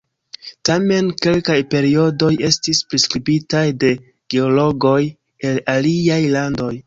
Tamen, kelkaj periodoj estis priskribitaj de geologoj el aliaj landoj.